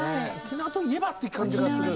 沖縄といえばっていう感じがする。